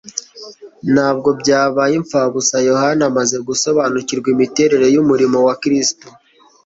Ntabwo byabaye imfabusa. Yohana amaze gusobanukirwa imiterere y'umurimo wa Kristo,